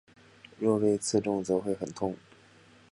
若被刺中则会很痛。